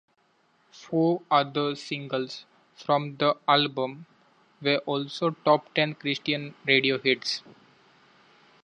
Four other singles from the album were also Top Ten Christian radio hits.